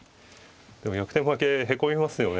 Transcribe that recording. でも逆転負けへこみますよね。